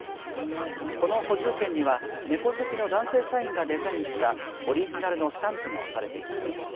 この補充券には猫好きの男性社員がデザインしたオリジナルのスタンプが押されています。